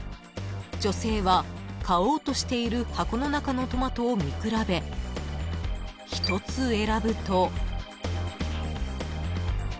［女性は買おうとしている箱の中のトマトを見比べ１つ選ぶと］